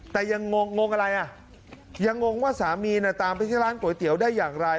แต่ยังงงอะไรอ่ะยังงงว่าสามีตามไปที่ร้านก๋วยเตี๋ยวได้อย่างไร